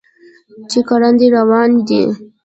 چې ګړندی روان دی.